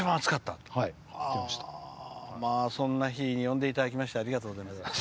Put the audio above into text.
そんな日に呼んでいただきましてありがとうございます。